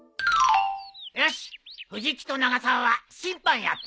よし藤木と永沢は審判やってくれ。